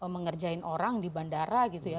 mengerjain orang di bandara gitu ya